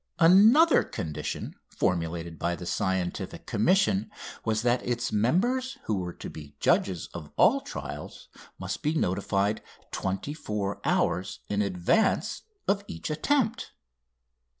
Another condition formulated by the Scientific Commission was that its members, who were to be the judges of all trials, must be notified twenty four hours in advance of each attempt.